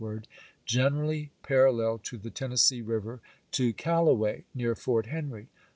71. generally parallel to tlie Tennessee River, to Callo way near Fort Henry.